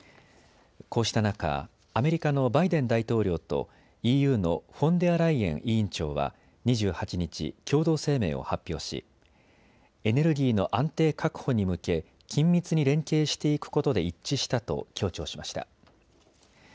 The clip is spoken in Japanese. こうした中、アメリカのバイデン大統領とＥＵのフォンデアライエン委員長は、２８日、共同声明を発表しエネルギーの安定確保に向け緊密に連携していくことで一致したと強調しました。